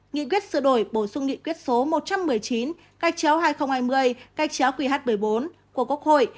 nghị quyết sửa đổi bổ sung nghị quyết số một trăm một mươi chín gạch chéo hai nghìn hai mươi gạch chéo qh một mươi bốn của quốc hội